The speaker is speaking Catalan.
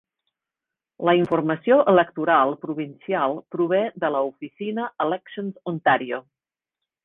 La informació electoral provincial prové de la oficina Elections Ontario.